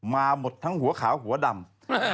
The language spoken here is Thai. มาหมดทั้งหัวขาวหัวดำ